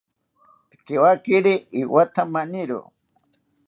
Pikewakiro iwatha maniro